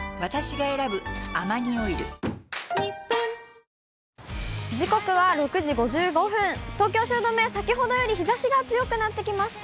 首都圏でも、時刻は６時５５分、東京・汐留、先ほどより日ざしが強くなってきました。